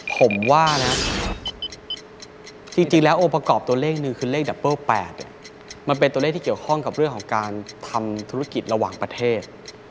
ผมว่านะจริงแล้วองค์ประกอบตัวเลขหนึ่งคือเลขดับเปิ้ล๘มันเป็นตัวเลขที่เกี่ยวข้องกับเรื่องของการทำธุรกิจระหว่างประเทศ